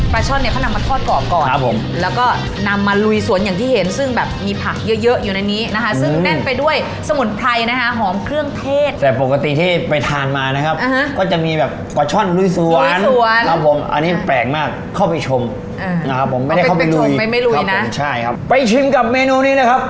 ช่อนเนี่ยเขานำมาทอดกรอบก่อนครับผมแล้วก็นำมาลุยสวนอย่างที่เห็นซึ่งแบบมีผักเยอะเยอะอยู่ในนี้นะคะซึ่งแน่นไปด้วยสมุนไพรนะคะหอมเครื่องเทศแต่ปกติที่ไปทานมานะครับก็จะมีแบบปลาช่อนลุยสวนสวนครับผมอันนี้แปลกมากเข้าไปชมอ่านะครับผมไม่ได้เข้าไปชมไม่ไม่ลุยนะใช่ครับไปชิมกับเมนูนี้นะครับ